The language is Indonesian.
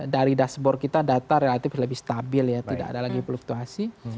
dari dashboard kita data relatif lebih stabil ya tidak ada lagi fluktuasi